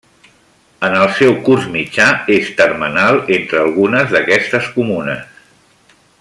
En el seu curs mitjà és termenal entre algunes d'aquestes comunes.